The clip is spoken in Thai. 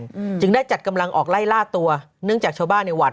อืมจึงได้จัดกำลังออกไล่ล่าตัวเนื่องจากชาวบ้านเนี้ยหวัด